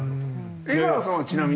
江川さんはちなみに？